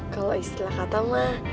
kalau istilah kata mah